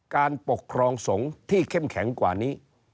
การปกครองสงฆ์ที่เข้มแข็งกว่านี้